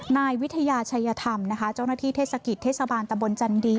นายวิทยาชัยธรรมนะคะเจ้าหน้าที่เทศกิจเทศบาลตะบนจันดี